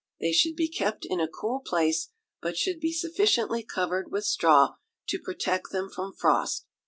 They should be kept in a cool place, but should be sufficiently covered with straw to protect them from frost.